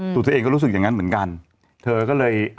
ตัวเองก็รู้สึกอย่างนั้นเหมือนกันเธอก็เลย